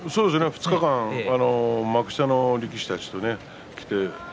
２日間幕下の力士たちと来ました。